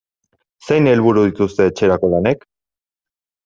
Zein helburu dituzte etxerako lanek?